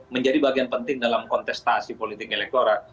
menjadi bagian penting dalam kontestasi politik elektoral